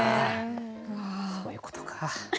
そういうことか。